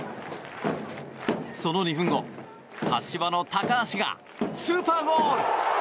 その２分後、柏の高橋がスーパーゴール！